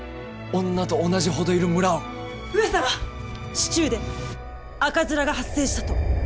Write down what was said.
市中で赤面が発生したと。